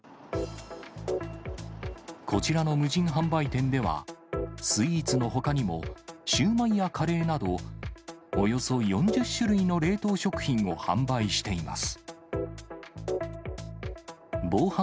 こちらの無人販売店では、スイーツのほかにも、シューマイやカレーなど、およそ４０種類の冷凍食品を販売しています。